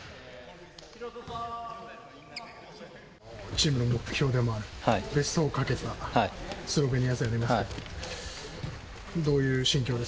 チームの目標でもあるベスト４を懸けたスロベニア戦になりますけどどういう心境ですか？